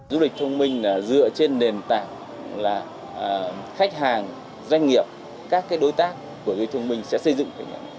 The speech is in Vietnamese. du lịch thông minh dựa trên nền tảng là khách hàng doanh nghiệp các đối tác của du lịch thông minh sẽ xây dựng hình ảnh